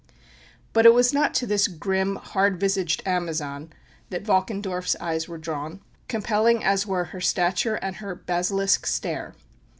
But it was not to this grim, hard visaged Amazon that Valkendorf's eyes were drawn, compelling as were her stature and her basilisk stare.